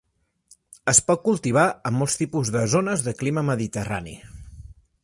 Es pot cultivar en molts tipus de zones de clima mediterrani.